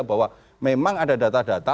bahwa memang ada data data